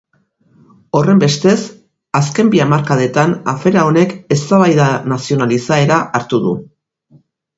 Horrenbestez, azken bi hamarkadetan afera honek eztabaida nazional izaera hartu du.